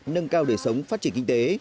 nâng cao đời sống phát triển kinh tế